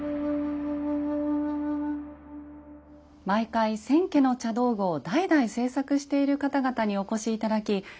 毎回千家の茶道具を代々制作している方々にお越し頂き